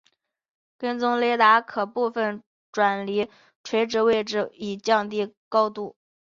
跟踪雷达可部分转离垂直位置以降低高度。